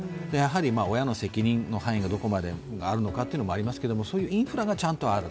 親の責任の範囲がどこまであるのかというのもありますけど、そういうインフラがちゃんとある。